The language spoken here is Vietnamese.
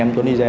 em tuấn đi dè